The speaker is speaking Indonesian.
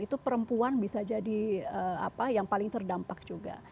itu perempuan bisa jadi apa yang paling terdampak juga